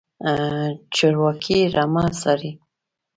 چرواکی رمه څاري.